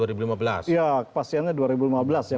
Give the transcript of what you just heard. ya kepastiannya dua ribu lima belas ya